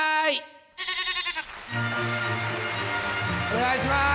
お願いします。